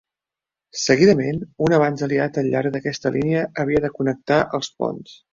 Seguidament, un avanç aliat al llarg d'aquesta línia havia de connectar els ponts.